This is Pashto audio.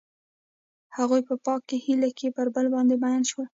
هغوی په پاک هیلې کې پر بل باندې ژمن شول.